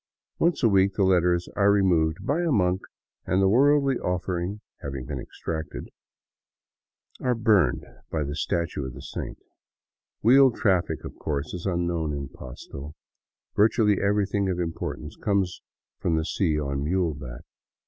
Once a week the letters are removed by a monk and, the worldly offering having been extracted, are burned before the statue of the saint. Wheeled traffic, of course, is unknown in Pasto; virtually everything of importance comes up from the sea on muleback.